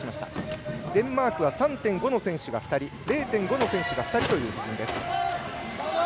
デンマークは３．５の選手が２人０．５の選手が２人という布陣。